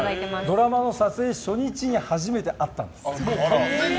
ドラマの撮影初日に初めて会ったんです。